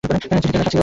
চিঠিতে লেখা ছিলো।